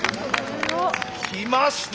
きました！